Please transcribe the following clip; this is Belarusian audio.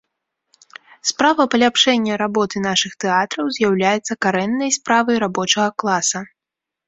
Справа паляпшэння работы нашых тэатраў з'яўляецца карэннай справай рабочага класа.